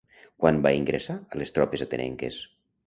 Quan va ingressar a les tropes atenenques?